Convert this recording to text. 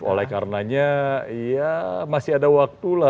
oleh karenanya ya masih ada waktulah